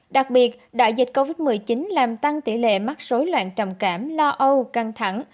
đặc biệt đại dịch covid một mươi chín làm tăng tỷ lệ mắc dối loạn trầm cảm lo âu căng thẳng